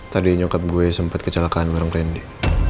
tadi nyokap gue sempet kecelakaan bareng rendy